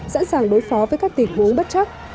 sẵn sàng đối phó với các tình huống bất chắc